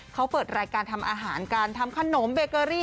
เขาเปิดรายการทำอาหารการทำขนมเบเกอรี่